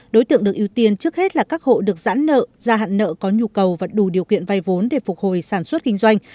đối tượng được ưu tiên trước hết là các hộ được giãn nợ gia hạn nợ có nhu cầu và đủ điều kiện vay vốn để phục hồi sản xuất kinh doanh